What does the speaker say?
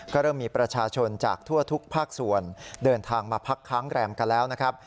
ก็เริ่มมีประชาชนจากทั่วทุกภาคส่วนเดินทางมาพักค้างแรมกันแล้วนะครับ